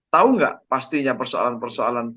tau gak pastinya persoalan persoalan